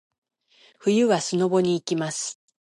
冬はスノボに行きます。